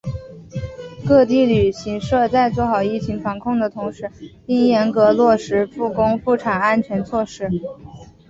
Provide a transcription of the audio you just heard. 各地旅行社在做好疫情防控的同时应严格落实复工复产安全措施